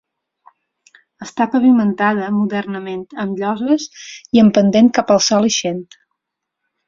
Està pavimentada modernament amb lloses i en pendent cap a sol ixent.